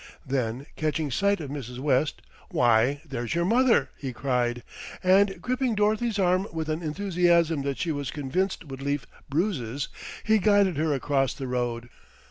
Then catching sight of Mrs. West, "Why, there's your mother," he cried and, gripping Dorothy's arm with an enthusiasm that she was convinced would leave bruises, he guided her across the road.